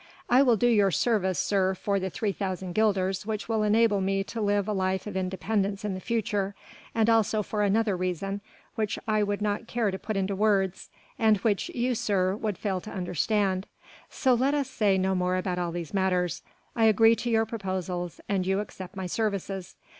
I will do you service, sir, for the 3,000 guilders which will enable me to live a life of independence in the future, and also for another reason, which I would not care to put into words, and which you, sir, would fail to understand. So let us say no more about all these matters. I agree to your proposals and you accept my services.